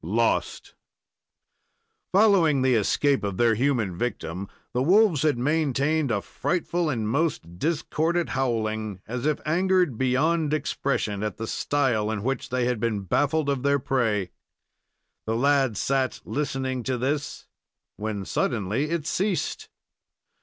LOST Following the escape of their human victim, the wolves had maintained a frightful and most discordant howling, as if angered beyond expression at the style in which they had been baffled of their prey. The lad sat listening to this, when suddenly it ceased.